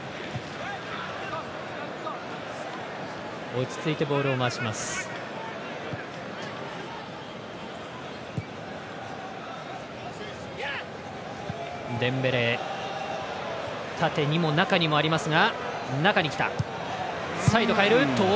落ち着いてボールを回します。